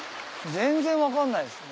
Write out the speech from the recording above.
全然分かんないですね。